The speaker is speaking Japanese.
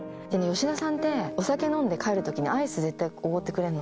吉田さんって、お酒飲んで帰るときに、アイス絶対おごってくれるの。